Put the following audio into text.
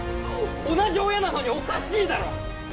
同じ親なのにおかしいだろ！